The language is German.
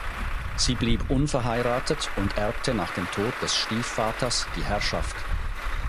Sie blieb unverheiratet und erbte nach dem Tod des Stiefvaters die Herrschaft.